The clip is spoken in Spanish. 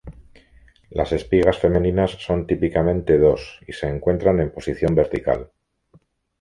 Las espigas femeninas son típicamente dos, y se encuentran en posición vertical.